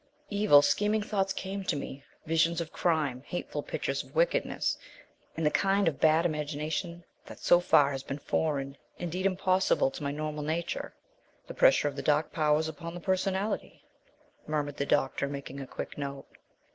"Evil, scheming thoughts came to me, visions of crime, hateful pictures of wickedness, and the kind of bad imagination that so far has been foreign, indeed impossible, to my normal nature " "The pressure of the Dark Powers upon the personality," murmured the doctor, making a quick note.